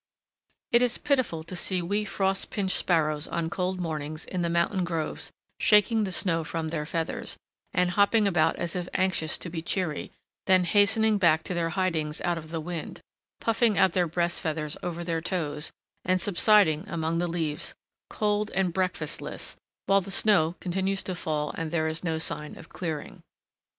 It is pitiful to see wee frost pinched sparrows on cold mornings in the mountain groves shaking the snow from their feathers, and hopping about as if anxious to be cheery, then hastening back to their hidings out of the wind, puffing out their breast feathers over their toes, and subsiding among the leaves, cold and breakfastless, while the snow continues to fall, and there is no sign of clearing.